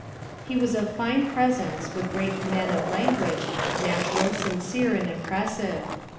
He was of fine presence, with great command of language, natural, sincere, and impressive.